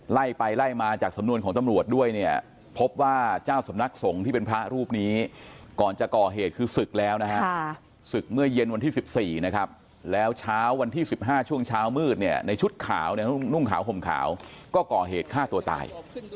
ไล่ไปไล่มาจากสำนวนของตำรวจด้วยเนี่ยพบว่าเจ้าสำนักสงฆ์ที่เป็นพระรูปนี้ก่อนจะก่อเหตุคือศึกแล้วนะฮะศึกเมื่อเย็นวันที่๑๔นะครับแล้วเช้าวันที่๑๕ช่วงเช้ามืดเนี่ยในชุดขาวเนี่ยนุ่งขาวห่มขาวก็ก่อเหตุฆ่าตัวตาย